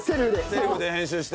セルフで編集して。